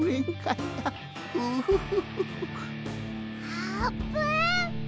あーぷん。